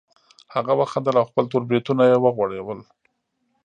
هغه وخندل او خپل تور بریتونه یې وغوړول